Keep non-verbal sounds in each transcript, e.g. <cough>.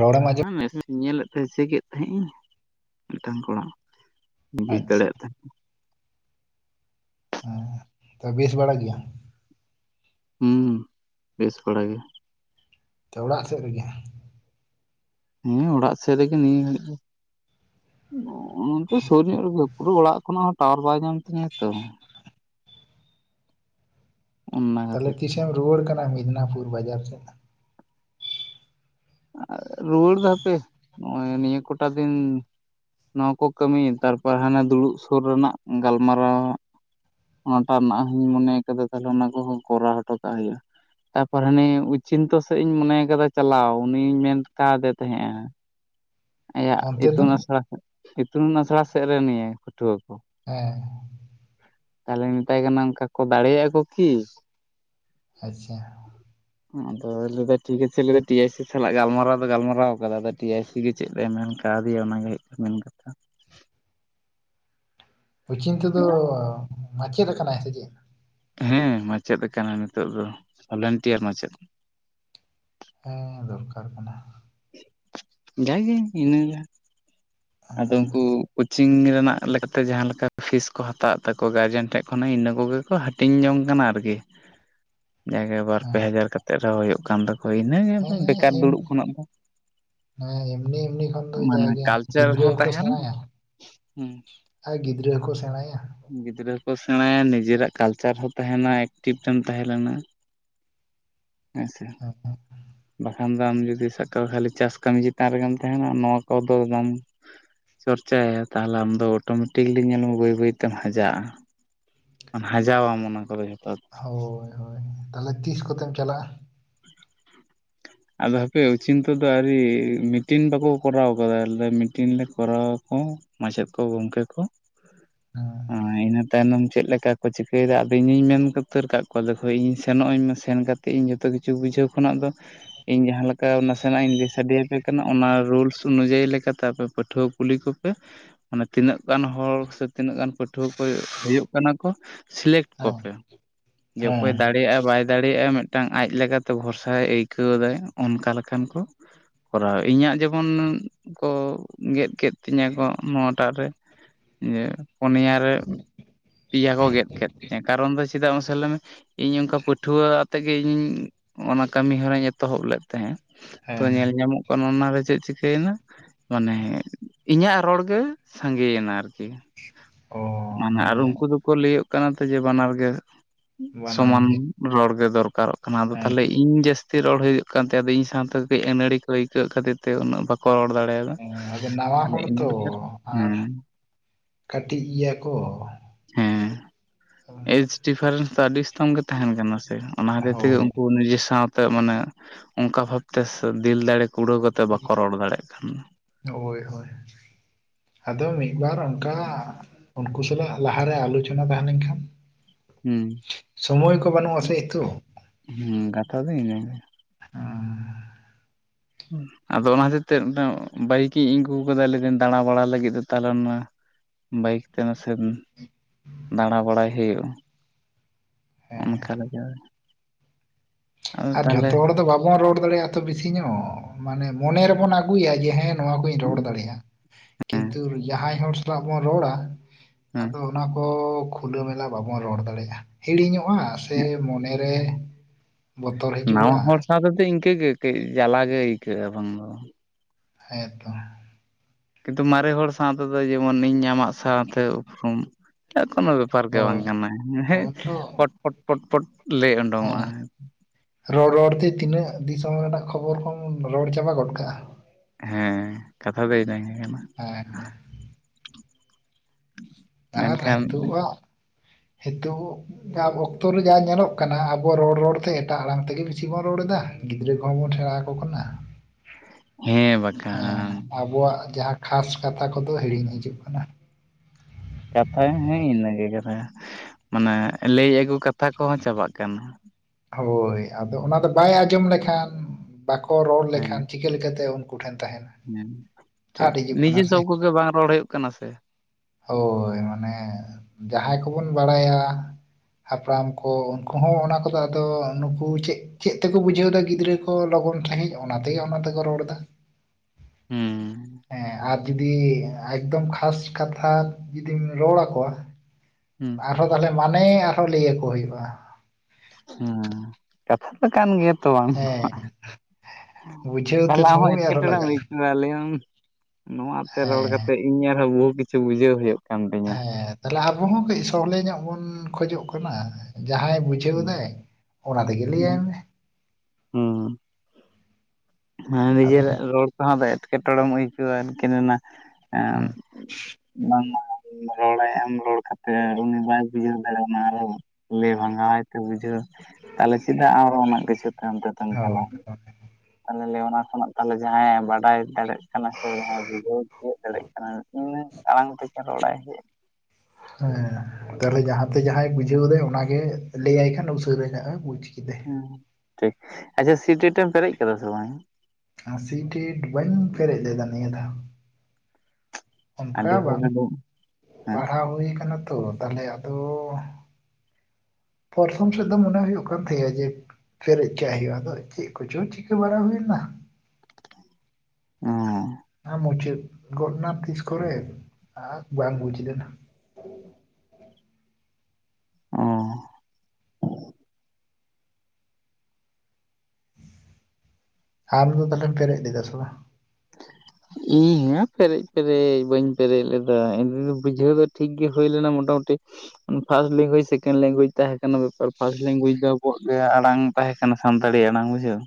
ᱨᱚᱲᱮᱢ ᱟᱸᱡᱚᱢ ᱦᱮᱸ ᱢᱮᱥᱮᱡ ᱧᱮᱞᱮ ᱛᱟᱦᱮᱸ ᱪᱮᱠᱮᱜ ᱛᱟᱦᱮᱸᱜ ᱤᱧ ᱢᱤᱫᱴᱟᱝ ᱠᱚᱲᱟᱣᱟᱜ᱾ ᱵᱩᱡᱽ ᱟᱪᱪᱷᱟ ᱫᱟᱲᱮᱭᱟᱜ ᱛᱟᱦᱮᱸ ᱦᱮᱸ ᱛᱚ ᱵᱮᱥ ᱵᱟᱲᱟ ᱜᱮᱭᱟᱢ? ᱦᱩᱸ ᱵᱮᱥ ᱵᱟᱲᱟ ᱜᱮ᱾ ᱛᱚ ᱚᱲᱟᱜ ᱥᱮᱜ ᱨᱮᱜᱮ? ᱦᱮᱸ ᱚᱲᱟᱜ ᱥᱮᱜ ᱨᱮᱜᱮ ᱱᱤᱭᱟᱹ ᱜᱟᱹᱲᱤᱡ ᱫᱚ᱾ ᱚᱱᱛᱮ ᱥᱩᱨ ᱧᱚᱜ ᱨᱮᱜᱮ ᱯᱩᱨᱟᱹ ᱚᱲᱟᱜ ᱠᱷᱚᱱᱟᱜ ᱦᱚᱸ ᱴᱟᱣᱟᱨ ᱵᱟᱭ ᱧᱟᱢ ᱛᱤᱧᱟᱹ ᱛᱚ᱾ ᱚᱱᱟ ᱛᱟᱦᱞᱮ ᱠᱷᱟᱹᱛᱤᱨ ᱛᱮ ᱛᱤᱥᱮᱢ ᱨᱩᱣᱟᱹᱲ ᱠᱟᱱᱟ ᱢᱮᱫᱽᱱᱟᱯᱩᱨ ᱵᱟᱡᱟᱨ ᱥᱮᱜ? ᱨᱩᱣᱟᱹᱲ ᱫᱚ ᱦᱟᱯᱮ ᱱᱚᱜᱼᱚᱭ ᱱᱤᱭᱟᱹ ᱠᱚᱴᱟ ᱫᱤᱱ ᱱᱚᱣᱟ ᱠᱚ ᱠᱟᱹᱢᱤ ᱛᱟᱨᱯᱚᱨ ᱦᱟᱱᱮ ᱫᱩᱲᱩᱵ ᱥᱩᱨ ᱨᱮᱱᱟᱜ ᱜᱟᱞᱢᱟᱨᱟᱣ ᱚᱱᱟ ᱴᱟᱜ ᱨᱮᱱᱟᱜ ᱦᱚᱧ ᱢᱚᱱᱮ ᱠᱟᱫᱟ ᱛᱟᱦᱞᱮ ᱚᱱᱟ ᱠᱚᱦᱚᱸ ᱠᱚᱨᱟᱣ ᱦᱚᱴᱚ ᱠᱟᱜ ᱦᱩᱭᱩᱜᱼᱟ᱾ ᱛᱟᱯᱚᱨ ᱦᱟᱱᱤ ᱩᱪᱤᱱᱛᱚ ᱥᱮᱜ ᱤᱧ ᱢᱚᱱᱮ ᱠᱟᱫᱟ ᱪᱟᱞᱟᱣ ᱩᱱᱤᱧ ᱢᱮᱱ ᱠᱟᱣᱫᱮ ᱛᱟᱦᱮᱸᱜᱼᱟ᱾ ᱟᱭᱟᱜ ᱚᱱᱛᱮ ᱫᱚ ᱤᱛᱩᱱ ᱟᱥᱲᱟ ᱥᱮᱫ ᱤᱛᱩᱱ ᱟᱥᱲᱟ ᱥᱮᱜ ᱨᱮ ᱱᱤᱭᱟᱹ ᱯᱟᱹᱴᱷᱩᱣᱟᱹ ᱠᱚ᱾ ᱦᱮᱸ ᱛᱟᱦᱚᱞᱮᱧ ᱢᱮᱛᱟᱭ ᱠᱟᱱᱟ ᱚᱝᱠᱟ ᱠᱚ ᱫᱟᱲᱮᱭᱟᱜᱼᱟ ᱠᱚ ᱠᱤ? ᱟᱪᱪᱷᱟ ᱟᱫᱚᱭ ᱞᱟᱹᱭᱫᱟ ᱴᱷᱤᱠ ᱟᱪᱷᱮ ᱞᱟᱹᱭᱫᱟᱭ ᱴᱤ ᱟᱭ ᱥᱤ ᱥᱟᱞᱟᱜ ᱜᱟᱞᱢᱟᱨᱟᱣ ᱫᱚ ᱜᱟᱞᱢᱟᱨᱟᱣ ᱠᱟᱫᱟ ᱟᱫᱚ ᱴᱤ ᱟᱭ ᱥᱤ ᱜᱮ ᱪᱮᱫ ᱮ ᱢᱮᱱ ᱠᱟᱣᱫᱮᱭᱟ ᱚᱱᱟᱜᱮ ᱦᱳᱭᱳ ᱠᱟᱱᱟ ᱢᱮᱱ ᱠᱟᱛᱷᱟ᱾ ᱚᱪᱤᱱᱛᱚ ᱫᱚ ᱢᱟᱪᱮᱫ ᱟᱠᱟᱱᱟᱭ ᱥᱮ ᱪᱮᱫ? ᱦᱮᱸ ᱢᱟᱪᱮᱫ ᱟᱠᱟᱱᱟᱭ ᱱᱤᱛᱚᱜ ᱫᱚ ᱵᱷᱚᱞᱮᱱᱴᱤᱭᱟᱨ ᱢᱟᱪᱮᱫ᱾ ᱦᱮᱸ ᱫᱚᱨᱠᱟᱨ ᱠᱟᱱᱟ᱾ ᱡᱟᱜᱤ ᱤᱱᱟᱹ ᱜᱮ᱾ ᱟᱫᱚ ᱦᱮᱸ ᱩᱝᱠᱩ ᱠᱚᱪᱤᱝ ᱨᱮᱱᱟᱜ ᱟᱞᱮᱠᱟᱛᱮ ᱡᱟᱸᱦᱟ ᱞᱮᱠᱟ ᱯᱷᱤᱥ ᱠᱚ ᱦᱟᱛᱟᱣᱮᱜ ᱛᱟᱠᱚ ᱜᱟᱨᱡᱮᱱ ᱴᱷᱮᱜ ᱠᱷᱚᱱᱟᱜ ᱤᱱᱟᱹ ᱠᱚᱜᱮ ᱠᱚ ᱦᱟᱹᱴᱤᱧ ᱡᱚᱝ ᱠᱟᱱᱟ ᱟᱨᱠᱤ᱾ <inaudible> ᱡᱟᱜᱮ ᱵᱟᱨ ᱯᱮ ᱦᱟᱡᱟᱨ ᱠᱟᱛᱮ ᱨᱮᱦᱚ ᱦᱳᱭᱳᱜ ᱠᱟᱱ ᱛᱟᱠᱚᱣᱟ ᱤᱱᱟᱹᱜᱮ ᱦᱮᱸ ᱵᱮᱠᱟᱨ ᱫᱩᱲᱩᱵ ᱤᱢᱱᱤ, ᱠᱷᱚᱱᱟᱜ ᱫᱚ ᱦᱮᱸ ᱤᱢᱱᱤᱼᱤᱢᱱᱤ ᱠᱷᱚᱱ ᱫᱚ ᱢᱟᱱᱮ ᱡᱟᱜᱮ ᱠᱟᱞᱪᱟᱨ ᱜᱤᱫᱽᱨᱟᱹ ᱦᱚᱸ ᱦᱚᱸᱠᱚ ᱛᱟᱦᱮᱱᱟ ᱥᱮᱬᱟᱭᱟ ᱦᱩᱸ ᱟᱨ ᱜᱤᱫᱽᱨᱟᱹ ᱦᱚᱸᱠᱚ ᱥᱮᱬᱟᱭᱟ᱾ ᱜᱤᱫᱽᱨᱟᱹ ᱦᱚᱸᱠᱚ ᱥᱮᱬᱟᱭᱟ, ᱱᱤᱡᱟᱨᱟᱜ ᱠᱟᱞᱪᱟᱨ ᱦᱚᱸ ᱛᱟᱦᱮᱱᱟ ᱮᱠᱴᱤᱵᱷ ᱨᱮᱢ ᱛᱟᱦᱮᱸ ᱞᱮᱱᱟ᱾ ᱟᱪᱪᱷᱟ? ᱦᱮᱸ ᱵᱟᱠᱷᱟᱱ ᱫᱚ ᱟᱢ ᱡᱩᱫᱤ ᱥᱟᱠᱟᱞ ᱠᱷᱟᱹᱞᱤ ᱪᱟᱥ ᱠᱟᱹᱢᱤ ᱪᱮᱛᱟᱱ ᱨᱮᱜᱮᱢ ᱛᱟᱦᱮᱸᱱᱟ ᱱᱚᱣᱟ ᱠᱚᱫᱚ ᱵᱟᱢ ᱪᱚᱨᱪᱟᱭᱟ ᱛᱟᱦᱚᱞᱮ ᱟᱢᱫᱚ ᱳᱴᱳᱢᱮᱴᱤᱠᱞᱤ ᱧᱮᱞ ᱢᱮ, ᱵᱟᱹᱭ ᱵᱟᱹᱭ ᱛᱮᱢ ᱦᱟᱡᱟᱜᱼᱟ᱾ ᱟᱢ ᱦᱟᱡᱟᱣ ᱟᱢ ᱚᱱᱟ ᱠᱚᱫᱚ ᱡᱷᱚᱛᱚ ᱦᱳᱭᱼᱦᱳᱭ ᱛᱟᱦᱚᱞᱮ ᱛᱤᱥ ᱠᱚᱛᱮᱢ ᱪᱟᱞᱟᱜᱼᱟ? ᱟᱫᱚ ᱦᱟᱯᱮ ᱚᱪᱤᱱᱛᱚ ᱫᱚ ᱟᱹᱣᱨᱤ, ᱢᱤᱴᱤᱱ ᱵᱟᱠᱚ ᱠᱚᱨᱟᱣ ᱟᱠᱟᱫᱟ, ᱟᱞᱮ ᱢᱤᱴᱤᱱ ᱞᱮ ᱠᱚᱨᱟᱣ ᱟᱠᱚ ᱢᱟᱪᱮᱫ ᱠᱚ ᱜᱚᱝᱠᱮ ᱠᱚ ᱦᱮᱸ ᱟᱸ ᱤᱱᱟᱹ ᱛᱟᱭᱱᱚᱢ ᱪᱮᱫ ᱞᱮᱠᱟ ᱪᱮᱫ ᱠᱚ ᱪᱤᱠᱟᱹᱭ ᱮᱫᱟ, ᱟᱫᱚ ᱤᱧᱤᱧ ᱢᱮᱱ ᱩᱛᱟᱹᱨ ᱠᱟᱜ ᱠᱚᱣᱟ, ᱫᱮᱠᱷᱳ ᱤᱧ ᱥᱮᱱᱚᱜ ᱟᱹᱧ ᱢᱮᱥᱮ ᱤᱧ ᱡᱚᱛᱚ ᱠᱤᱪᱩ ᱵᱩᱡᱷᱟᱹᱣ ᱠᱷᱳᱱᱟᱜ ᱫᱚ ᱤᱧ ᱡᱟᱦᱟᱸ ᱞᱮᱠᱟ ᱱᱟᱥᱮᱱᱟᱜ ᱤᱧ ᱞᱟᱹᱭ ᱥᱟᱰᱮ ᱟᱯᱮ ᱠᱟᱱᱟ, ᱚᱱᱟ ᱨᱩᱞᱥ ᱱᱩᱡᱟᱹᱭ ᱞᱮᱠᱟᱛᱮ ᱟᱯᱮ ᱯᱟᱹᱴᱷᱩᱣᱟᱹ ᱠᱩᱞᱤ ᱠᱚᱯᱮ ᱢᱟᱱᱮ ᱛᱤᱱᱟᱹᱜ ᱜᱟᱱ ᱦᱚᱲ ᱥᱮ, ᱛᱤᱱᱟᱹᱜ ᱜᱟᱱ ᱯᱟᱹᱴᱷᱩᱣᱟᱹ ᱠᱚᱭ ᱦᱳᱭᱳᱜ ᱠᱟᱱᱟ ᱠᱚ ᱥᱤᱞᱮᱠᱴ ᱦᱮᱸ ᱠᱚᱯᱮ, ᱡᱮ ᱚᱠᱚᱭ ᱦᱮᱸ ᱫᱟᱲᱮᱭᱟᱜᱼᱟᱭ ᱵᱟᱭ ᱫᱟᱲᱮᱭᱟᱜ ᱟᱭ ᱢᱤᱫᱴᱟᱝ ᱟᱡ ᱞᱮᱠᱟᱛᱮ ᱵᱷᱚᱨᱥᱟᱭ ᱟᱹᱭᱠᱟᱹᱣ ᱮᱫᱟᱭ ᱚᱱᱠᱟ ᱞᱮᱠᱟᱱ ᱠᱚ ᱠᱚᱨᱟᱣᱟ, ᱤᱧᱟᱹᱜ ᱡᱮᱢᱚᱱ ᱠᱚ ᱜᱮᱫ ᱠᱮᱫ ᱛᱤᱧᱟᱹ ᱠᱚ ᱱᱚᱣᱟᱴᱟᱜ ᱨᱮ ᱤᱧᱟᱺᱜ ᱯᱚᱱᱭᱟ ᱨᱮ ᱯᱮᱭᱟ ᱠᱚ ᱜᱮᱫ ᱠᱮᱫ ᱛᱤᱧᱟ, ᱠᱟᱨᱚᱱ ᱫᱚ ᱪᱮᱫᱟᱜ ᱢᱟᱥᱮ ᱞᱟᱹᱭ ᱢᱮ ᱤᱧ ᱚᱱᱠᱟ ᱯᱟᱹᱴᱷᱩᱣᱟᱹ ᱟᱛᱮ ᱜᱤᱧ ᱤᱧ ᱚᱱᱟ ᱠᱟᱹᱢᱤ ᱦᱚᱨᱟᱸᱧ ᱮᱛᱚᱦᱚᱵ ᱞᱮᱫ ᱛᱟᱦᱮᱸᱜᱼᱟ᱾ ᱛᱚ ᱦᱮᱸ ᱧᱮᱞ ᱧᱟᱢᱚᱜ ᱠᱟᱱᱟ ᱚᱱᱟᱨᱮ ᱪᱮᱫ ᱪᱤᱠᱟᱹᱭᱮᱱᱟ? ᱢᱟᱱᱮ ᱤᱧᱟᱹᱜ ᱨᱚᱲ ᱜᱮ ᱥᱟᱸᱜᱮ ᱭᱮᱱᱟ ᱟᱨᱠᱤ? ᱚ ᱢᱟ ᱱᱟᱜ ᱟᱨ ᱢᱟᱱᱮ ᱩᱱᱠᱩ ᱫᱚᱠᱚ ᱞᱟᱹᱭᱩᱜ ᱠᱟᱱᱟ ᱛᱚ, ᱡᱮ ᱵᱟᱱᱟᱨ ᱜᱮ ᱵᱟᱱᱟᱨ ᱥᱚᱢᱟᱱ ᱜᱮ ᱨᱚᱲ ᱜᱮ ᱫᱚᱨᱠᱟᱨᱚᱜ ᱠᱟᱱᱟ ᱟᱫᱚ ᱦᱮᱸ ᱛᱟᱦᱮᱞᱮ ᱤᱧ ᱡᱟᱹᱥ ᱛᱤ ᱨᱚᱲ ᱦᱩᱭᱩᱜ ᱠᱟᱱ ᱛᱟᱭᱟ, ᱟᱫᱚ ᱤᱧ ᱥᱟᱶᱛᱮ ᱠᱟᱹᱡ ᱟᱹᱱᱟᱹᱲᱤ ᱠᱚ ᱟᱹᱭᱠᱟᱹᱣ ᱮᱫ ᱠᱷᱟᱹᱛᱤᱨ ᱛᱮ ᱩᱱᱟᱹᱜ ᱵᱟᱠᱚ ᱨᱚᱲ ᱫᱟᱲᱮ ᱫᱟᱲᱮᱜᱟᱜ ᱦᱮᱸ ᱟᱫᱚ ᱱᱟᱣᱟ ᱟ᱾ ᱟ ᱦᱚᱲ ᱛᱚ ᱱᱤᱜᱱᱤᱠᱟᱹ ᱨᱮ, ᱟᱨ ᱦᱩᱸ ᱠᱟᱹᱴᱤᱡ ᱜᱮᱭᱟ ᱠᱚ ᱦᱮᱸ ᱮᱡᱽ ᱰᱤᱯᱷᱟᱨᱮᱱᱥ ᱫᱚ ᱟᱹᱰᱤ ᱥᱛᱚᱝ ᱜᱮ ᱛᱟᱸᱦᱮᱱ ᱠᱟᱱᱟ ᱥᱮᱱᱟᱜ ᱚᱱᱟ ᱠᱷᱟᱹᱛᱤᱨ ᱛᱮᱜᱮ ᱦᱳᱭ ᱩᱱᱠᱳ ᱱᱤᱡᱮ ᱥᱟᱶᱛᱮ ᱢᱟᱱᱮ ᱚᱱᱠᱟ ᱵᱷᱟᱵ ᱛᱮ ᱥᱮ ᱫᱤᱞ ᱫᱟᱲᱮ ᱠᱩᱲᱟᱹᱣ ᱠᱟᱛ <inaudible> ᱦᱳᱭ ᱦᱳᱭ ᱟᱫᱚ ᱢᱤᱫ ᱵᱟᱨ ᱚᱱᱠᱟ ᱩᱱᱠᱩ ᱥᱟᱞᱟᱜ ᱞᱟᱦᱟᱨᱮ ᱟᱞᱳᱪᱚᱱᱟ ᱛᱟᱦᱮᱸ ᱞᱮᱱ ᱠᱷᱟᱱ, ᱦᱩᱸ ᱥᱳᱢᱚᱭ ᱠᱚ ᱵᱟᱹᱱᱩᱜ ᱟᱥᱮ ᱮᱠ ᱛᱳ ᱦᱩᱸ ᱜᱟᱛᱷᱟ ᱫᱚ ᱤᱱᱟᱹ ᱜᱮ ᱦᱩᱸ <unintelligible> <unintelligible> ᱟᱫᱚ ᱚᱱᱟ ᱛᱟᱛᱤᱨ ᱛᱮ ᱢᱤᱫᱴᱟᱝ ᱵᱟᱭᱤᱠ ᱤᱧ ᱤᱸᱜᱩ ᱟᱠᱟᱫᱟ ᱞᱟᱹᱭ ᱫᱟᱹᱧ ᱫᱟᱬᱟ ᱵᱟᱲᱟ ᱞᱟᱹᱜᱤᱫ ᱫᱚ ᱛᱟ ᱦᱚᱞᱮ ᱚᱱᱟ ᱾ ᱵᱟᱭᱤᱠ ᱛᱮ ᱱᱟᱥᱮᱢ ᱫᱟᱬᱟ ᱵᱟᱲᱟᱭ ᱦᱳᱭᱳᱜᱼᱟ ᱚᱱᱠᱟ ᱞᱮᱠᱟ ᱜᱮ ᱟᱨ ᱡᱷᱚᱛᱚ ᱦᱚᱲ ᱫᱚ ᱵᱟᱵᱚᱱ ᱨᱚᱲ ᱫᱟᱲᱮᱭᱟᱜᱼᱟ ᱛᱚ ᱵᱤᱥᱤ ᱧᱚᱜ, ᱢᱟᱱᱮ ᱢᱚᱱᱮ ᱨᱮᱵᱚᱱ ᱟᱹᱜᱩᱭᱟ ᱡᱮ ᱦᱮᱸ ᱱᱚᱣᱟ ᱠᱩᱧ ᱨᱚᱲ ᱦᱮᱸ ᱫᱟᱲᱮᱭᱟᱜ, ᱠᱤᱱᱛᱩᱨ ᱡᱟᱸᱦᱟᱭ ᱦᱚᱲ ᱥᱟᱞᱟᱜ ᱵᱚᱱ ᱨᱚᱲᱟ! ᱟᱫᱚ ᱚᱱᱟ ᱠᱚ ᱠᱷᱩᱞᱟᱹ ᱢᱮᱞᱟ ᱵᱟᱵᱚᱱ ᱨᱚᱲ ᱫᱟᱲᱮᱭᱟᱜᱼᱟ, ᱦᱤᱲᱤᱧᱚᱜᱼᱟ ᱥᱮ ᱢᱚᱱᱮ ᱨᱮ ᱱᱟᱣᱟ ᱦᱚᱲ ᱥᱟᱶᱛᱮᱫᱚ ᱤᱸᱠᱟᱹᱜᱮ ᱠᱟᱹᱡ ᱡᱟᱞᱟ ᱜᱮ ᱟᱹᱭᱠᱟᱹᱜᱼᱟ ᱵᱟᱝ ᱫᱚ। ᱦᱮᱸ ᱛᱚ ᱠᱤᱸᱛᱩ ᱢᱟᱨᱮ ᱦᱚᱲ ᱥᱟᱶᱛᱮᱫᱚ ᱡᱮᱢᱚᱱ ᱤᱧ ᱟᱢᱟᱜ ᱥᱟᱶᱛᱮ ᱩᱯᱨᱩᱢ। ᱦᱮᱸ ᱠᱳᱱᱳ ᱵᱮᱯᱟᱨ ᱜᱮ ᱵᱟᱝ ᱦᱳᱭ ᱠᱟᱱᱟ, ᱦᱮᱸ ᱦᱮᱸᱜ ᱩᱱ ᱫᱚ ᱯᱚᱴ ᱯᱚᱴ ᱯᱚᱴ ᱯᱚᱴ ᱞᱮᱭ ᱚᱸᱰᱳᱝ ᱦᱮᱸ ᱚᱜᱼᱟ। ᱨᱚᱲ ᱨᱚᱲ ᱛᱮ ᱛᱤᱱᱟᱹᱜ ᱫᱤᱥᱚᱢ ᱨᱮᱱᱟᱜ ᱠᱷᱚᱵᱚᱨ ᱠᱚᱢ ᱨᱚᱲ ᱪᱟᱵᱟ ᱜᱚᱫ ᱠᱟᱜᱼᱟ ᱦᱮᱸ ᱠᱟᱛᱷᱟ ᱫᱚ ᱤᱱᱟᱹ ᱜᱮ। ᱟᱨ ᱟᱨ ᱢᱮᱱᱠᱷᱟᱱ ᱦᱤᱛᱚᱜ ᱟᱜ ᱦᱤᱛᱚᱜ ᱡᱟ ᱚᱠᱛᱚ ᱨᱮ ᱡᱟ ᱧᱮᱞᱚᱜ ᱠᱟᱱᱟ ᱟᱵᱚ ᱨᱚᱲ ᱨᱚᱲ ᱛᱮ ᱮᱴᱟᱜ ᱟᱲᱟᱝ ᱛᱮᱜᱮ ᱵᱤᱥᱤ ᱵᱚᱱ ᱨᱚᱲ ᱮᱫᱟ। ᱜᱤᱫᱽᱨᱟᱹ ᱠᱚ ᱦᱚᱸ ᱵᱚᱱ ᱴᱷᱮᱨᱟ ᱟᱠᱚ ᱠᱟᱱᱟ। ᱦᱮᱸ ᱦᱮᱸ ᱵᱟᱠᱷᱟᱱ ᱟᱵᱚᱣᱟᱜ ᱡᱟᱦᱟ ᱠᱷᱟᱥ ᱠᱟᱛᱷᱟ ᱠᱚᱫᱚ ᱦᱤᱲᱤᱧ ᱦᱤᱡᱩᱜ ᱠᱟᱱᱟ। ᱠᱟᱛᱷᱟ ᱞ ᱦᱮᱸ ᱤᱱᱟᱹᱜᱮ ᱠᱟᱱᱟ। ᱢᱟᱱᱮ ᱞᱟᱹᱭ ᱟᱹᱜᱩ ᱠᱟᱛᱷᱟ ᱠᱚᱦᱚᱸ ᱪᱟᱵᱟᱜ ᱠᱟᱱᱟ। ᱦᱳᱭ ᱟᱫᱚ ᱚᱱᱟ ᱫᱚ ᱵᱟᱭ ᱟᱸᱡᱚᱢ ᱞᱮᱠᱷᱟᱱ ᱵᱟᱠᱚ ᱨᱚᱲ ᱦᱮᱸ ᱞᱮᱠᱷᱟᱱ ᱪᱤᱠᱟᱹ ᱞᱮᱠᱟᱛᱮ ᱩᱱᱠᱩ ᱴᱷᱮᱱ ᱛᱟ‍ᱸᱦᱮᱱᱟ। ᱦᱮᱸ ᱴᱷᱤᱠ ᱱᱤᱡᱮᱥᱚᱵ ᱠᱚᱜᱮ ᱵᱟᱝ ᱨᱚᱲ ᱦᱩᱭᱩᱜ ᱠᱟᱱᱟ ᱥᱮ। ᱦᱳᱭ ᱢᱟᱱᱮ ᱡᱟᱸᱦᱟᱭ ᱠᱚᱵᱚᱱ ᱵᱟᱲᱟᱭᱟ ᱦᱟᱯᱲᱟᱢ ᱠᱚ ᱩᱱᱠᱩ ᱦᱚᱸ ᱚᱱᱟ ᱠᱚᱫᱚ ᱟᱫᱚ ᱱᱩᱠᱩ ᱪᱮᱫ ᱪᱮᱫ ᱛᱮᱠᱚ ᱵᱩᱡᱷᱟᱹᱣ ᱮᱫᱟ ᱜᱤᱫᱽᱨᱟᱹ ᱠᱚ ᱞᱚᱜᱚᱱ ᱥᱟᱸᱦᱤᱡ ᱚᱱᱟ ᱛᱮᱜᱮ ᱚᱱᱟ ᱛᱮᱠᱚ ᱨᱚᱲ ᱮᱫᱟ। ᱦᱩᱸ ᱦᱮᱸ ᱟᱨ ᱡᱩᱫᱤ ᱮᱠᱫᱚᱢ ᱠᱷᱟᱥ ᱠᱟᱛᱷᱟ ᱡᱩᱫᱤᱢ ᱨᱚᱲ ᱟᱠᱚᱣᱟ। ᱦᱩᱸ ᱟᱨᱦᱚᱸ ᱛᱟᱦᱚᱞᱮ ᱢᱟᱱᱮ ᱟᱨᱦᱚᱸ ᱞᱟᱹᱭ ᱟᱠᱚ ᱦᱩᱭᱩᱜᱼᱟ। ᱦᱮᱸ ᱠᱟᱛᱷᱟ ᱫᱚ ᱠᱟᱱ ᱜᱮᱭᱟ ᱛᱚ ᱵᱟᱝᱢᱟ ᱦᱮᱸ ᱵᱩᱡᱷᱟᱹᱣ ᱛᱮ ᱛᱟᱦᱟᱞᱮ ᱟᱢ ᱦᱚᱸ ᱥᱚᱢᱚᱭ ᱟᱨᱦᱚᱸ ᱮᱴᱠᱮᱴᱚᱬᱮᱢ ᱵᱩᱡ ᱞᱟᱜᱟᱜᱼᱟ ᱠᱮᱫᱟ ᱞᱟᱹᱭ ᱟᱢ ᱱᱚᱣᱟᱛᱮ ᱨᱚᱲ ᱦᱮᱸ ᱠᱟᱛᱮ ᱤᱧ ᱟᱨ ᱦᱚᱸ ᱵᱩᱦᱩ ᱠᱤᱪᱷᱩ ᱵᱩᱡᱷᱟᱹ ᱦᱩᱭᱩᱜᱼᱟ। ᱦᱮᱸ ᱛᱟᱦᱟᱞᱮ ᱟᱵᱚ ᱦᱚᱸ ᱠᱟᱹᱡ ᱥᱚᱦᱞᱮ ᱧᱚᱜ ᱵᱚᱱ ᱠᱷᱚᱡᱚᱜ ᱠᱟᱱᱟ ᱡᱟᱸᱦᱟᱭ ᱵᱩᱡᱷᱟᱹ ᱵᱩᱡᱷᱟᱹᱣ ᱫᱟᱭ ᱚᱱᱟ ᱛᱮᱜᱮ ᱞᱟᱹᱭ ᱟᱭ ᱢᱮ। ᱦᱮᱸ ᱟᱫᱚ ᱱᱤᱡᱮᱨᱟᱜ ᱦᱮᱸ ᱨᱚᱲ ᱠᱚᱦᱚᱸ ᱮᱴᱠᱮᱴᱚᱬᱮᱢ ᱟᱹᱭ ᱠᱟᱹᱣ-ᱟ ᱩᱱᱠᱤᱱ ᱚᱱᱟ ᱵᱟᱝᱢᱟ ᱨᱚᱲ ᱟᱭᱟᱢ ᱨᱚᱲ ᱠᱟᱛᱮᱫ ᱩᱱᱤ ᱵᱟᱭ ᱵᱩᱡᱷᱟᱹᱣ ᱫᱟᱲᱮᱭᱟᱜ-ᱟ ᱟᱨᱚ ᱞᱟᱹᱭ ᱵᱷᱟᱜᱟᱣ ᱟᱭᱛᱮ ᱵᱩᱡᱷᱟᱹᱣ ᱛᱟᱦᱚᱞᱮ ᱪᱮᱫᱟᱜ ᱟᱨ ᱩᱱᱟᱹᱜ ᱠᱤᱪᱷᱩ ᱛᱟᱭᱚᱢ ᱛᱮᱛᱮᱢ ᱦᱳᱭ ᱪᱟᱞᱟᱜᱼᱟ। ᱦᱳᱭ᱾ ᱛᱟᱦᱚᱞᱮ ᱞᱟᱹᱭᱟ ᱚᱱᱟ ᱠᱷᱚᱱᱟᱜ ᱛᱟᱦᱚᱞᱮ ᱡᱟᱸᱦᱟᱭ ᱮ ᱵᱟᱰᱟᱭ ᱫᱟᱲᱮᱭᱟᱜ ᱠᱟᱱᱟ ᱥᱮ ᱡᱟᱦᱟᱸᱭ ᱵᱩᱡᱷᱟᱹᱣ ᱛᱤᱭᱳ ᱫᱟᱲᱮᱭᱟᱜ ᱠᱟᱱᱟ ᱚᱱᱤ ᱫᱚ ᱤᱱᱟ ᱟᱲᱟᱝ ᱛᱮᱜᱮ ᱨᱚᱲ ᱟᱭ ᱦᱩᱭᱩᱜ-ᱟ। ᱦᱮᱸ ᱛᱟᱦᱚᱞᱮ ᱡᱟᱸᱦᱟ ᱛᱮ ᱡᱟᱸᱦᱟᱭ ᱵᱩᱡᱷᱟᱹᱣ ᱫᱟᱭ ᱚᱱᱟᱜᱮ ᱞᱟᱹᱭᱟᱭ ᱠᱷᱟᱱ ᱩᱥᱟᱹᱨᱟ ᱦᱟᱜ ᱮ ᱵᱩᱡ ᱠᱮᱫᱟ। ᱦᱮᱸ ᱴᱷᱤᱠ ᱟᱪᱪᱷᱟ ᱥᱤ ᱴᱮᱴ ᱮᱢ ᱯᱮᱨᱮᱡᱽ ᱠᱟᱫᱟ ᱥᱮ ᱵᱟᱝ ᱭᱟ? ᱟᱨ ᱥᱤᱴᱮᱴ ᱵᱟᱹᱧ ᱯᱮᱨᱮᱡ ᱞᱮᱫᱟ ᱱᱤᱭᱟᱹ ᱫᱷᱟᱣ। ᱚᱱᱠᱟ ᱟᱹᱰᱤ ᱦᱚᱲ ᱵᱟᱝ ᱜᱮ ᱦᱮᱸ ᱯᱟᱲᱦᱟᱣ ᱦᱩᱭ ᱟᱠᱟᱱᱟ ᱛᱚ ᱛᱟᱦᱚᱞᱮ ᱟᱫᱚ ᱯᱨᱚᱛᱷᱚᱢ ᱥᱮᱫ ᱫᱚ ᱢᱚᱱᱮ ᱦᱩᱭᱩᱜ ᱠᱟᱱ ᱛᱟᱸᱦᱮ- ᱟ ᱡᱮ ᱯᱮᱨᱮᱡ ᱠᱟᱜ ᱦᱩᱭᱩᱜ ᱟ ᱟᱫᱚ ᱪᱮᱫ ᱠᱚᱪᱚᱝ ᱪᱤᱠᱟᱹ ᱵᱟᱲᱟ ᱦᱩᱭ ᱱᱟ। ᱚ ᱟ ᱢᱩᱪᱟᱛ ᱜᱚᱫ ᱱᱟ ᱛᱤᱥ ᱠᱚᱨᱮ ᱵᱟᱝ ᱵᱩᱡᱽ ᱞᱮᱱᱟ। ᱚ ᱟᱢ ᱫᱚ ᱛᱟᱦᱚᱞᱮᱢ ᱯᱮᱨᱮᱡ ᱞᱮᱫᱟ ᱥᱮ ᱵᱟᱝ? <inaudible> ᱤᱧ ᱢᱟ ᱯᱮᱨᱮᱡ ᱯᱮᱨᱮᱡ ᱵᱟᱹᱧ ᱯᱮᱨᱮᱡ ᱞᱮᱫᱟ ᱤᱧ ᱫᱚ ᱵᱩᱡᱷᱟᱹᱣ ᱫᱚ ᱴᱷᱤᱠ ᱜᱮ ᱦᱩᱭ ᱞᱮᱱᱟ ᱢᱚᱴᱟ-ᱢᱩᱴᱤ᱾ ᱯᱷᱟᱥᱴ ᱞᱮᱝᱜᱩᱭᱮᱡ ᱥᱮᱠᱮᱱᱰ ᱞᱮᱝᱜᱩᱭᱮᱡ ᱛᱟᱸᱦᱮ ᱠᱟᱱᱟ ᱵᱮᱯᱟᱨ ᱯᱷᱟᱥᱴ ᱞᱮᱝᱜᱩᱭᱮᱡ ᱫᱚ ᱟᱵᱣᱟᱜ ᱜᱮ ᱟᱲᱟᱝ। ᱛᱟᱸᱦᱮ ᱠᱟᱱᱟ ᱥᱟᱱᱛᱟᱲᱤ ᱟᱲᱟᱝ ᱵᱩᱡᱷᱟᱹᱣ।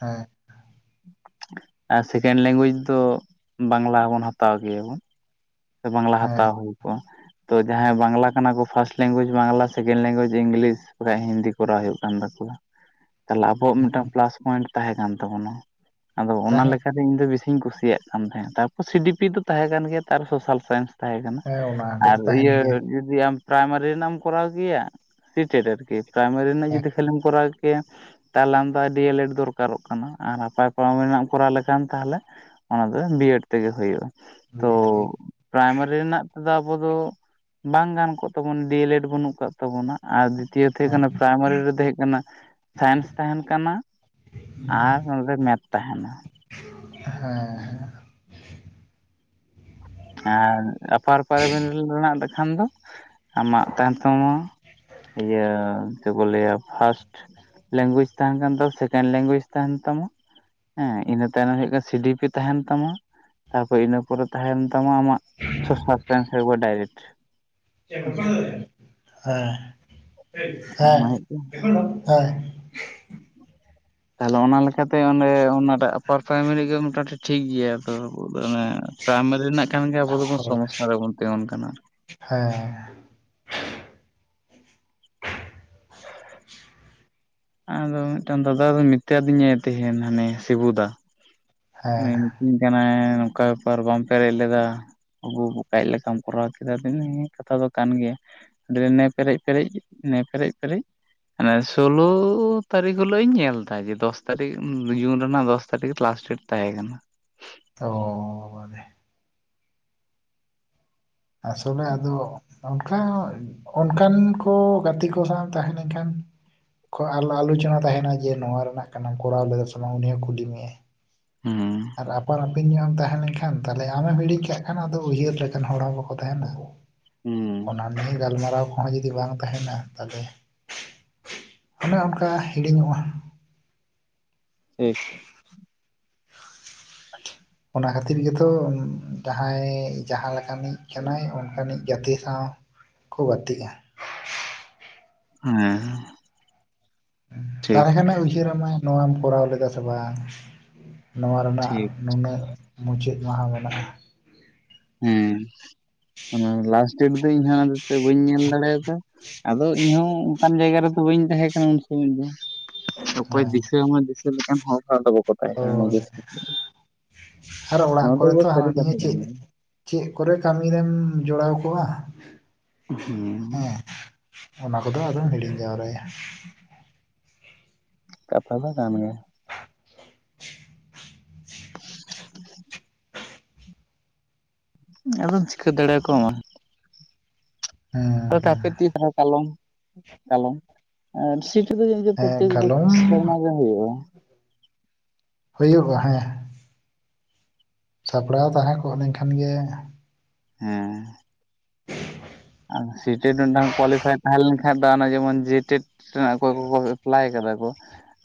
ᱦᱮᱸ। ᱟᱨ ᱥᱮᱠᱮᱱᱰ ᱞᱮᱝᱜᱩᱭᱮᱡᱽ ᱫᱚ ᱵᱟᱝᱞᱟᱵᱚᱱ ᱦᱟᱛᱟᱣ ᱜᱮᱭᱟᱵᱚᱱ। ᱥᱮ ᱵᱟᱝᱞᱟ ᱦᱮᱸ ᱦᱟᱛᱟᱣ ᱦᱩᱭ ᱠᱚᱜᱼᱟ। ᱛᱚ ᱡᱟᱦᱟᱸᱭ ᱵᱟᱝᱞᱟ ᱠᱟᱱᱟ ᱠᱚ first language Bangla second language English <unintelligible> Hindi ᱠᱚᱨᱟᱣ ᱦᱩᱭᱩᱜ ᱠᱟᱱ ᱛᱟᱠᱚᱣᱟ <inaudible> ᱛᱟᱦᱚᱞᱮ ᱟᱵᱚᱣᱟᱜ ᱢᱤᱫᱴᱟᱝ ᱯᱞᱟᱥ ᱯᱚᱭᱮᱱᱴ ᱛᱟᱦᱮᱸ ᱠᱟᱱ ᱛᱟᱵᱚᱱᱟ ᱟᱫᱚ ᱚᱱᱟ ᱛᱟᱦᱮᱸ ᱞᱮᱠᱟ ᱤᱧ ᱫᱚ ᱵᱮᱥᱤᱧ ᱠᱩᱥᱤᱭᱟᱜ ᱠᱟᱱ ᱛᱟᱦᱮᱸᱫ ᱛᱟᱨᱯᱚᱨ ᱥᱤ ᱵᱤ ᱯᱤ ᱫᱚ ᱛᱟᱦᱮᱸ ᱠᱟᱱ ᱜᱮᱭᱟ ᱛᱟᱨᱯᱚᱨ ᱥᱳᱥᱟᱞ ᱥᱟᱭᱮᱱᱥ ᱛᱟᱦᱮᱸ ᱠᱟᱱᱟ ᱦᱮᱸ ᱚᱱᱟ ᱟᱨ ᱠᱚᱫᱚ ᱛᱟᱦᱮᱱ ᱤᱭᱟᱹ ᱜᱮᱭᱟ ᱡᱩᱫᱤ ᱟᱢ ᱯᱨᱟᱭᱢᱟᱨᱤ ᱨᱮᱱᱟᱜ ᱮᱢ ᱠᱚᱨᱟᱣ ᱠᱮᱭᱟ ᱥᱤ ᱴᱮᱴ ᱟᱨᱠᱤ ᱯᱨᱟᱭᱢᱟᱨᱤ ᱨᱮᱱᱟᱜ ᱦᱮᱸ ᱡᱩᱫᱤ ᱠᱷᱟᱹᱞᱤᱢ ᱠᱚᱨᱟᱣ᱾ ᱛᱟᱦᱚᱞᱮ ᱟᱢ ᱫᱚ ᱰᱤ ᱮᱞ ᱮᱰ ᱫᱚᱨᱠᱟᱨᱚᱜ ᱠᱟᱱᱟ ᱟᱨ ᱟᱯᱟᱨ ᱯᱨᱟᱭᱢᱟᱨᱤ ᱨᱮᱱᱟᱜ ᱮᱢ ᱠᱚᱨᱟᱣ ᱞᱮᱠᱷᱟᱱ ᱛᱟᱦᱚᱞᱮ ᱚᱱᱟ ᱫᱚ ᱵᱤ ᱮᱰ ᱛᱮᱜᱮ ᱦᱩᱭᱩᱜ-ᱟ᱾ <unintelligible> ᱯᱨᱟᱭᱢᱟᱨᱤ ᱨᱮᱱᱟᱜ ᱛᱮᱫᱚ ᱟᱵᱚ ᱫᱚ ᱵᱟᱝ ᱜᱟᱱ ᱠᱚᱜ ᱛᱟᱵᱚᱱᱟ ᱰᱤ ᱮᱞ ᱮᱰ ᱵᱟᱹᱱᱩᱜ ᱟᱠᱟᱫ ᱛᱟᱵᱚᱱᱟ ᱟᱨ ᱪᱤᱠᱟᱹ ᱛᱮ ᱦᱩᱭᱩᱜ ᱠᱟᱱᱟ ᱯᱨᱟᱭᱢᱟᱨᱤ ᱨᱮᱫᱚ ᱦᱩᱭᱩᱜ ᱠᱟᱱᱟ ᱥᱟᱭᱮᱱᱥ ᱛᱟᱦᱮᱱ ᱠᱟᱱᱟ ᱟᱨ ᱱᱚᱸᱰᱮ ᱢᱮᱛᱷ ᱛᱟᱦᱮᱸᱱᱟ ᱦᱮᱸ ᱦᱮᱸ ᱟᱨ ᱟᱯᱟᱨ ᱯᱨᱟᱭᱢᱟᱨᱤ ᱨᱮᱱᱟᱜ ᱞᱮᱠᱷᱟᱱ ᱫᱚ ᱟᱢᱟᱜ ᱛᱟᱦᱮᱱ ᱛᱟᱢᱟ ᱤᱭᱟᱹ ᱪᱮᱫ ᱠᱚ ᱞᱟᱹᱭᱟ ᱯᱷᱟᱥᱴ ᱞᱮᱝᱜᱩᱭᱮᱡ ᱛᱟᱦᱮᱱ ᱠᱟᱱ ᱛᱟᱢᱟ ᱥᱮᱠᱮᱱᱰ ᱞᱮᱝᱜᱩᱭᱮᱡ ᱛᱟᱦᱮᱱ ᱛᱟᱢᱟ ᱦᱮᱸ ᱤᱱᱟᱹ ᱛᱟᱭᱱᱚᱢ ᱦᱩᱭᱩᱜ ᱠᱟᱱᱟ ᱥᱤ ᱰᱤ ᱯᱤ ᱛᱟᱦᱮᱱ ᱛᱟᱢᱟ ᱛᱟᱯᱚᱨ ᱤᱱᱟᱹ ᱯᱚᱨᱮ ᱛᱟᱦᱮᱱ ᱛᱟᱢᱟ ᱟᱢᱟᱜ ᱦᱮᱸ <unintelligible> ᱦᱮᱸ ᱦᱮᱸ ᱚᱱᱟ ᱦᱮᱸ ᱦᱩᱭᱩᱜ ᱠᱟᱱᱟ ᱦᱮᱸ <inaudible> ᱛᱟᱦᱚᱞᱮ ᱚᱱᱟ ᱞᱮᱠᱟᱛᱮ ᱚᱸᱰᱮ ᱚᱱᱟᱴᱟᱜ ᱟᱯᱟᱨ ᱯᱨᱟᱭᱢᱟᱨᱤ ᱜᱮ ᱢᱚᱴᱟᱢᱩᱴᱤ ᱴᱷᱤᱠ ᱜᱮᱭᱟ ᱛᱚ ᱚᱱᱮ ᱯᱨᱟᱭᱢᱟᱨᱤ ᱨᱮᱱᱟᱜ ᱠᱷᱟᱱ ᱜᱮ ᱟᱵᱚ ᱫᱚᱵᱚᱱ ᱥᱚᱢᱚᱥᱥᱟ ᱨᱮᱵᱚᱱ ᱛᱤᱸᱜᱩᱱ ᱠᱟᱱᱟ ᱦᱮᱸ ᱦᱮᱸ ᱦᱮᱸ ᱟᱫᱚ ᱢᱤᱫᱴᱟᱝ ᱫᱟᱫᱟ ᱫᱚ ᱢᱮᱛᱟ ᱫᱤᱧᱟᱭ ᱛᱮᱦᱮᱱ ᱦᱟᱱᱤ ᱥᱤᱵᱩ ᱫᱟ ᱩᱱᱤ ᱦᱮᱸ ᱢᱤᱛᱟᱹᱧ ᱠᱟᱱᱟᱭ ᱱᱚᱝᱠᱟ ᱵᱮᱯᱟᱨ ᱵᱟᱢ ᱯᱮᱨᱮᱡ ᱞᱮᱫᱟ ᱵᱟᱵᱩ ‌ᱵᱚᱠᱟᱭᱤᱡ ᱞᱮᱠᱟᱢ ᱠᱚᱨᱟᱣ ᱠᱮᱫᱟ ᱟᱫᱚᱧ ᱞᱟᱹᱭᱮᱫ-ᱟ ᱦᱮᱸ ᱠᱟᱛᱷᱟ ᱫᱚ ᱠᱟᱱ ᱜᱮᱭᱟ ᱱᱮ ᱯᱮᱨᱮᱡ ᱯᱮᱨᱮᱡ ᱱᱮ ᱯᱮᱨᱮᱡ ᱯᱮᱨᱮᱡ ᱢᱟᱱᱮ ᱥᱳᱞᱳ ᱛᱟᱹᱨᱤᱠᱷ ᱦᱤᱞᱟᱹᱜ ᱤᱧ ᱧᱮᱞ ᱮᱫᱟ ᱡᱮ ᱫᱚᱥ ᱛᱟᱹᱨᱤᱠᱷ ᱡᱩᱱ ᱨᱮᱱᱟᱜ ᱫᱚᱥ ᱛᱟᱹᱨᱤᱠᱷ ᱞᱟᱥᱴ ᱰᱮᱴ ᱛᱟᱦᱮᱸ ᱠᱟᱱᱟ ᱛᱚ ᱢᱟᱱᱮ ᱟᱥᱚᱞᱮ ᱟᱫᱚ ᱚᱱᱠᱟ ᱚᱱᱠᱟᱱ ᱠᱚ ᱜᱟᱛᱮ ᱠᱚ ᱥᱟᱶ ᱛᱟᱦᱮᱸ ᱞᱮᱱ ᱠᱷᱟᱱ ᱠᱷ ᱟᱨᱞᱚ ᱟᱞᱳᱪᱚᱱᱟ ᱛᱟᱦᱮᱱᱟ ᱡᱮ ᱱᱚᱣᱟ ᱨᱮᱱᱟᱜ ᱠᱟᱱᱟ ᱠᱚᱨᱟᱣ ᱞᱮᱫᱟ ᱥᱮ ᱵᱟᱝ ᱩᱱᱤ ᱦᱚᱸ ᱠᱩᱞᱤ ᱢᱮᱭᱟ ᱦᱩᱸ ᱟᱨ ᱟᱯᱟᱱ ᱟᱹᱯᱤᱱ ᱧᱚᱜ ᱮᱢ ᱛᱟᱦᱮᱸ ᱞᱮᱱᱠᱷᱟᱱ ᱛᱟᱦᱞᱮ ᱟᱢᱮᱢ ᱦᱤᱲᱤᱡ ᱠᱟᱜ ᱠᱷᱟᱱ ᱟᱫᱚ ᱩᱭᱦᱟᱹᱨ ᱞᱮᱠᱟᱱ ᱦᱚᱲ ᱦᱚᱸ ᱵᱟᱠᱚ ᱛᱟᱦᱮᱱᱟ ᱦᱩᱸ ᱚᱱᱟ ᱱᱤᱭᱟᱹ ᱜᱟᱞ ᱢᱟᱨᱟᱣ ᱦᱚᱸ ᱡᱩᱫᱤ ᱵᱟᱝ ᱛᱟᱦᱮᱱᱟ ᱛᱟᱦᱚᱞᱮ ᱚᱱᱮ ᱚᱱᱠᱟ ᱦᱤᱲᱤᱧᱚᱜ-ᱟ ᱴᱷᱤᱠ <inaudible> ᱚᱱᱟ ᱠᱷᱟᱹᱛᱤᱨ ᱜᱮᱛᱚ ᱡᱟᱦᱟᱸᱭ ᱡᱟᱦᱟᱸ ᱞᱮᱠᱟᱱᱤᱡ ᱠᱟᱱᱟᱭ ᱚᱱᱠᱟᱱᱤᱡ ᱜᱟᱹᱛᱮ ᱥᱟᱶ ᱠᱚ ᱜᱟᱛᱮᱜ-ᱟ ᱦᱮᱸ ᱴᱷᱤᱠ ᱛᱟᱦᱚᱞᱮ ᱠᱷᱟᱱ-ᱮ ᱩᱭᱦᱟᱹᱨ ᱟᱢᱟ ᱱᱚᱣᱟᱢ ᱠᱚᱨᱟᱣ ᱞᱮᱫᱟ ᱥᱮ ᱵᱟᱝ ᱱᱚᱣᱟ ᱨᱮᱱᱟᱜ ᱴᱷᱤᱠ ᱱᱩᱱᱟᱹᱜ ᱢᱩᱪᱟᱹᱫ ᱢᱟᱦᱟ ᱢᱮᱱᱟᱜ-ᱟ ᱦᱮᱸ ᱚᱱᱟ ᱞᱟᱥᱴ ᱰᱮᱴ ᱫᱚ ᱤᱧ ᱦᱚᱸ ᱟᱫᱚ ᱛᱚ ᱵᱟᱹᱧ ᱧᱮᱞ ᱫᱟᱲᱮᱭᱟᱫᱟ ᱟᱫᱚ ᱤᱧ ᱦᱚᱸ ᱚᱱᱠᱟᱱ ᱡᱟᱭᱜᱟ ᱨᱮᱫᱚ ᱵᱟᱹᱧ ᱛᱟᱦᱮᱸ ᱠᱟᱱᱟ ᱩᱱ ᱥᱚᱢᱚᱭ ᱫᱚ ᱚᱠᱚᱭ ᱦᱮᱸ ᱫᱤᱥᱟᱹ ᱟᱢᱟ ᱫᱤᱥᱟᱹ ᱞᱮᱠᱟᱱ ᱦᱚᱲ ᱦᱚᱸ ᱟᱫᱚ ᱵᱟᱠᱚ ᱛᱟᱦᱮᱸ ᱠᱟᱱᱟ ᱦᱳᱭ ᱱᱤᱡᱮ ᱥᱚᱢᱚᱭ ᱟᱨ ᱚᱲᱟᱜ ᱫᱚ ᱠᱚᱨᱮ ᱛᱚ ᱦᱟᱱᱟ ᱱᱤᱭᱟᱹ ᱪᱮᱫ ᱪᱮᱫ ᱠᱚᱨᱮ ᱠᱟᱹᱢᱤ ᱨᱮᱢ ᱡᱚᱲᱟᱣ ᱠᱚᱣᱟ ᱦᱮᱸ ᱚᱱᱟ ᱠᱚᱫᱚ ᱟᱫᱚᱢ ᱦᱤᱲᱤᱧ ᱡᱟᱣᱨᱟ ᱭᱟ᱾ ᱠᱟᱛᱷᱟ ᱫᱚ ᱠᱟᱱ ᱜᱮᱭᱟ᱾ <inaudible> ᱟᱫᱚᱢ ᱪᱤᱠᱟᱹ ᱫᱟᱲᱮᱭ ᱠᱚᱣ‌ᱢᱟ᱾ ᱦᱮᱸ᱾ ᱟᱫᱚ ᱦᱮᱸ ᱛᱟᱨᱯᱮ ᱛᱤᱥ ᱦᱟᱸᱜ ᱠᱟᱞᱚᱢ ᱠᱟᱞᱚᱢ᱾ ᱟᱨ ᱥᱤᱴᱤ ᱫᱚ ᱡᱮ ᱦᱮᱸ ᱯᱚᱨᱛᱮᱠ ᱵᱚᱪᱷ ᱠᱟᱞᱚᱢ ᱥᱮᱨᱢᱟ ᱜᱮ ᱦᱩᱭᱩᱜ-ᱟ᱾ ᱦᱚᱭᱚᱜ-ᱟ ᱦᱮᱸ᱾ ᱥᱟᱯᱲᱟᱣ ᱛᱟᱦᱮᱸ ᱠᱚᱜ ᱞᱮᱱᱠᱷᱟᱱ ᱜᱮᱼᱼ ᱦᱮᱸᱻ᱾ ᱟᱨ ᱥᱤ ᱴᱮᱰ ᱢᱤᱫᱴᱟᱝ ᱠᱳᱣᱟᱞᱤᱯᱷᱟᱭ ᱛᱟᱦᱮᱸ ᱞᱮᱱᱠᱷᱟᱡ‌ ᱫᱚ ᱚᱱᱮ ᱡᱮᱢᱚᱱ ᱡᱮᱭᱮᱴᱮᱴ᱾ ᱥᱮ‌ ᱨᱮᱱ ᱚᱠᱚᱭ ᱠᱚ ᱠᱚ ᱮᱯᱞᱟᱭ ᱠᱟᱫᱟ ᱠᱚ,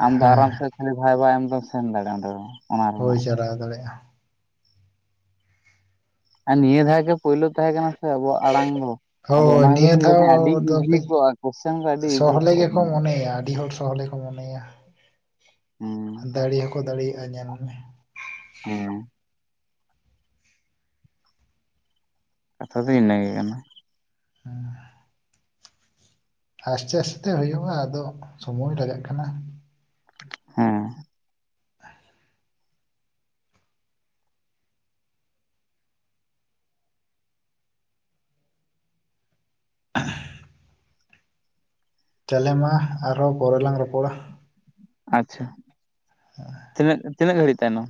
ᱟᱢᱫᱚ ᱦᱮᱸ ᱟᱨᱟᱢ ᱥᱮ ᱠᱷᱟᱹᱞᱤ ᱵᱷᱟᱭ ᱵᱟ ᱮᱢ ᱟᱢ‌ ᱫᱚᱢ ᱥᱮᱱ ᱫᱟᱲᱮᱜ-ᱟ ᱚᱸᱰᱮ‌ ᱫᱚ᱾ ᱚᱱᱟ ᱦᱳᱭ ᱨᱮᱱᱟᱜ ᱫᱚ ᱪᱟᱞᱟᱣ ᱫᱟᱲᱮᱜ-ᱟ᱾ ᱟᱨ ᱱᱤᱭᱟᱹ ᱫᱷᱟᱣ ᱜᱮ ᱯᱳᱭᱞᱳ ᱛᱟᱦᱮᱸ ᱠᱟᱱᱟ ᱥᱮ ᱟᱵᱚᱣᱟᱜ ᱟᱬᱟᱝ ᱫᱚ᱾ ᱟᱫᱚ ᱦᱳᱭ ᱚᱱᱟ ᱠᱷᱟᱹᱛᱤᱨ ᱱᱤᱭᱟᱹ ᱛᱤᱧ ᱞᱟᱹᱭᱫᱟ ᱫᱷᱟᱣ ᱟᱹᱰᱤ ᱫᱚ ᱤᱡᱤ ᱠᱟᱹᱡ ᱠᱚᱜᱼᱟ ᱠᱚᱥᱪᱮᱱ ᱠᱚ ᱟᱹᱰᱤ ᱤᱡᱤ ᱥᱚᱦᱚᱞᱮ ᱠᱚᱜᱼᱟ ᱜᱮᱠᱚ ᱠᱤᱱᱛᱩ᱾ ᱢᱚᱱᱮᱭᱟ ᱟᱰᱤ ᱦᱚᱲ᱾ ᱥᱚᱦᱚᱞᱮ ᱠᱚ ᱢᱚᱱᱮᱭᱟ᱾ ᱦᱮᱸ ᱫᱟᱹᱲᱤ ᱦᱚᱸᱠᱚ ᱫᱟᱹᱲᱤᱭᱟᱜ-ᱟ ᱧᱮᱞ ᱢᱮ᱾ ᱦᱩᱸ᱾ ᱠᱟᱛᱷᱟ ᱫᱚ ᱤᱱᱟᱹ ᱜᱮ ᱠᱟᱱᱟ᱾ ᱦᱮᱸ᱾ ᱟᱥᱛᱮ ᱟᱥᱛᱮ ᱛᱮ ᱦᱳᱭᱳᱜ-ᱟ ᱟᱫᱚ ᱥᱚᱢᱚᱭ ᱞᱟᱜᱟᱜ ᱠᱟᱱᱟ᱾ ᱦᱮᱸ᱾ <inaudible> ᱛᱟᱞᱮ ᱢᱟ ᱟᱨᱦᱚᱸ ᱯᱚᱨᱮ ᱞᱟᱝ ᱨᱚᱯᱚᱲᱟ᱾ ᱟᱪᱪᱷᱟ᱾ ᱟᱣᱟᱼᱼ <unintelligible> ᱛᱤᱱᱟᱹᱜ-ᱛᱤᱱᱟᱹᱜ ᱜᱟᱹᱲᱤᱡ ᱛᱟᱭᱱᱚᱢ?